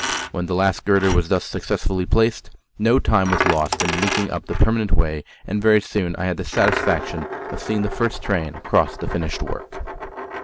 When the last girder was thus successfully placed, no time was lost in linking up the permanent way, and very soon I had the satisfaction of seeing the first train cross the finished work.